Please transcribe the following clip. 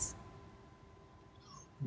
belum itu harus saya akui